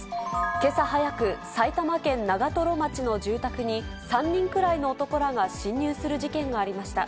けさ早く、埼玉県長瀞町の住宅に、３人くらいの男らが侵入する事件がありました。